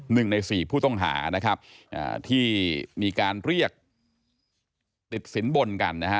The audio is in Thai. หนึ่งในสี่ผู้ต้องหานะครับอ่าที่มีการเรียกติดสินบนกันนะฮะ